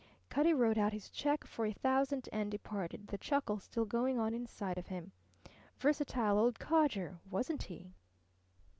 Cutty wrote out his check for a thousand and departed, the chuckle still going on inside of him. Versatile old codger, wasn't he?